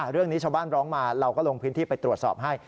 เรื่องนี้ชาวบ้านร้องมาเราก็ลงพื้นที่ไปตรวจสอบให้